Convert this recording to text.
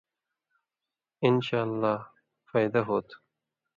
انشاءاللہ فائدہ ہوتُھو۔